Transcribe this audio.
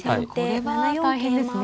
これは大変ですね。